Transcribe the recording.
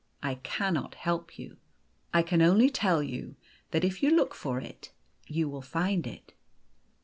I cannot help you. I can only tell you that if you look for it you will find it."